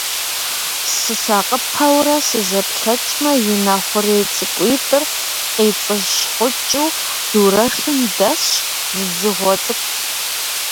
Сысакъыпэурэ сызэплъэкӀмэ, и нэ хъурей цӀыкӀуитӀыр къицӀыщхъукӀыу, дурэшым дэсщ зы дзыгъуэ цӀыкӀу.